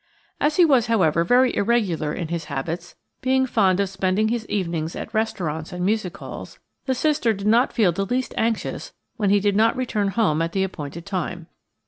As he was, however, very irregular in his habits, being fond of spending his evenings at restaurants and music halls, the sister did not feel the least anxious when he did not return home at the appointed time.